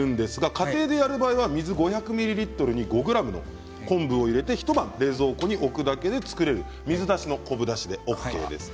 家庭でやる場合は水５００ミリリットルに５ｇの昆布を入れて一晩冷蔵庫に置くだけで作れる水出しの昆布だしでＯＫです。